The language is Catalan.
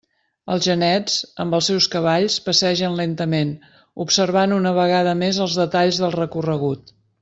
Els genets, amb els seus cavalls passegen lentament, observant una vegada més els detalls del recorregut.